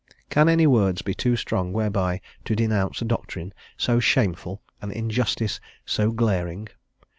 Can any words be too strong whereby to denounce a doctrine so shameful, an injustice so glaring?